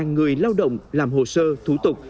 một người lao động làm hồ sơ thủ tục